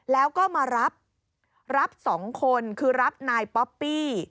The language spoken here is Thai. แล้วก็มารับรับ๒คนคือรับนายป๊อปปี้